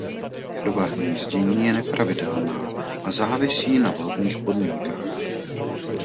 Doba hnízdění je nepravidelná a závisí na vhodných podmínkách.